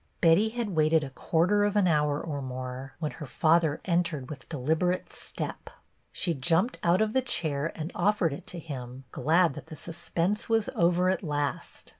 Betty had waited a quarter of an hour or more, when her father entered with deliber ate step. She jumped out of the chair and offered it to him, glad that the suspense was over at last.